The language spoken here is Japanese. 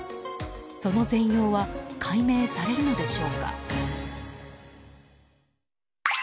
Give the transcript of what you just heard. その全容は解明されるのでしょうか。